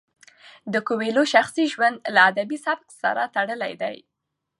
د کویلیو شخصي ژوند له ادبي سبک سره تړلی دی.